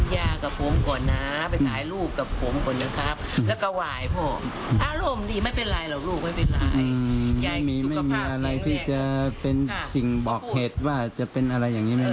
ยายสุขภาพแข็งแรงนะพ่อพูดไม่มีอะไรที่จะเป็นสิ่งบอกเหตุว่าจะเป็นอะไรอย่างนี้ไหม